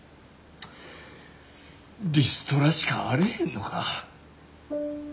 リストラしかあれへんのか。